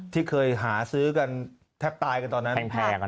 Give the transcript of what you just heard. ที่เคยหาซื้อกันแทบตายกันตอนนั้นแพง